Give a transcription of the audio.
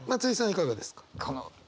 いかがですか？